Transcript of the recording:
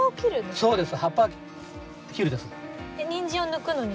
そうですね。